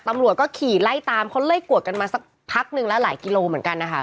ตำรวจก็ขี่ไล่ตามเขาไล่กวดกันมาสักพักนึงแล้วหลายกิโลเหมือนกันนะคะ